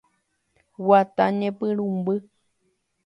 Guata Ñepyrũmby.